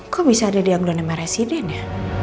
kok bisa ada dianggolan nama resident ya